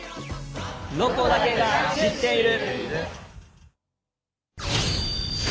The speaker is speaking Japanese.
「ロコだけが知っている」。